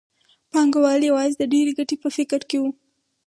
پانګوال یوازې د ډېرې ګټې په فکر کې وو